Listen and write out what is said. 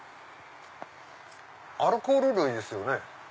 アルコール類ですよね。